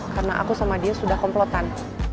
karena aku sama dia sudah komplotan